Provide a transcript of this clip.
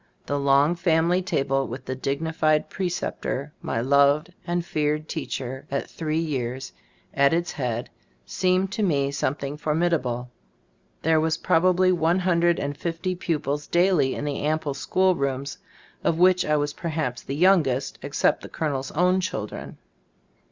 The long family table with the dignified pre ceptor, my loved and feared teacher at three years, at its head, seemed to me something formidable. There were probably one hundred and fifty pupils daily in the ample school rooms, of which I was perhaps the youngest, except the colonel's own children.